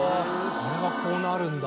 あれがこうなるんだ。